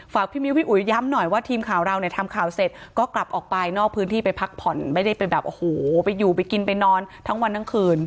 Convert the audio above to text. พี่มิ้วพี่อุ๋ยย้ำหน่อยว่าทีมข่าวเราเนี่ยทำข่าวเสร็จก็กลับออกไปนอกพื้นที่ไปพักผ่อนไม่ได้ไปแบบโอ้โหไปอยู่ไปกินไปนอนทั้งวันทั้งคืน